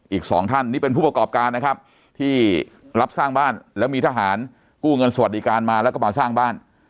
อีกสองท่านนี่เป็นผู้ประกอบการนะครับที่รับสร้างบ้านแล้วมีทหารกู้เงินสวัสดิการมาแล้วก็มาสร้างบ้าน